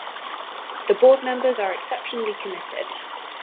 The board members are exceptionally committed...